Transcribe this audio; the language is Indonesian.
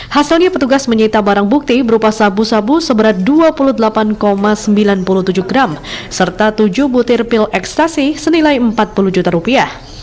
hasilnya petugas menyita barang bukti berupa sabu sabu seberat dua puluh delapan sembilan puluh tujuh gram serta tujuh butir pil ekstasi senilai empat puluh juta rupiah